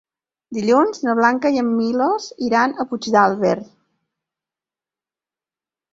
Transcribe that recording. Dilluns na Blanca i en Milos iran a Puigdàlber.